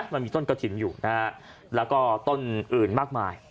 มันมีต้นกระถิ่นอยู่นะฮะแล้วก็ต้นอื่นมากมาย